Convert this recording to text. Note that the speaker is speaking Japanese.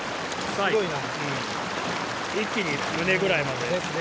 すごいな。